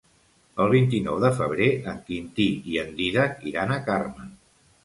El vint-i-nou de febrer en Quintí i en Dídac iran a Carme.